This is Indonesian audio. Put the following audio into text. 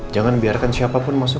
jangan biarkan siapapun masuk